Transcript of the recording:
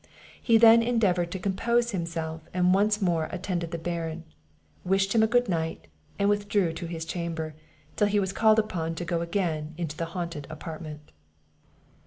He then endeavoured to compose himself, and once more attended the Baron; wished him a good night; and withdrew to his chamber, till he was called upon to go again to the haunted apartment.